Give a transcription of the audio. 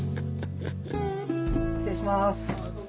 失礼します。